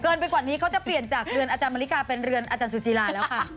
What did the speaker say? ไปกว่านี้เขาจะเปลี่ยนจากเรือนอาจารย์มาริกาเป็นเรือนอาจารย์สุจิลาแล้วค่ะ